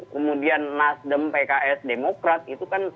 kemudian nasdem pks demokrat itu kan satu ratus enam puluh tiga kursi